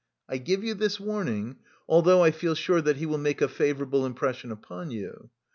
I give you this warning, although I feel sure that he will make a favourable impression upon you.